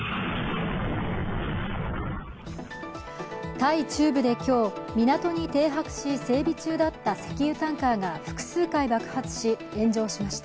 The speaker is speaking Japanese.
タイ中部で今日、港に停泊し、整備中だった石油タンカーが複数回爆発し、炎上しました。